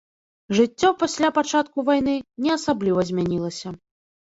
Жыццё пасля пачатку вайны не асабліва змянілася.